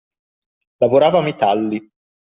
Lavorava metalli